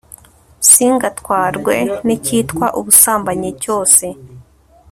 singatwarwe n'icyitwa ubusambanyi cyose